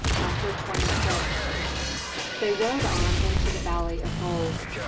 CHAPTER XXVI They rode on into the Valley of Gold.